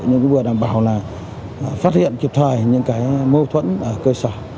nhưng vừa đảm bảo phát hiện kịp thời những mâu thuẫn ở cơ sở